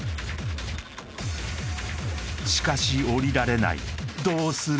しかし降りられないどうする？